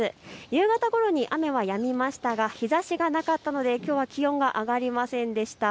夕方ごろに雨はやみましたが日ざしがなかったのできょうは気温が上がりませんでした。